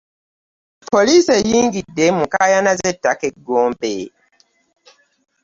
Poliisi eyingidde mu nkaayana ze ttaka e Gombe.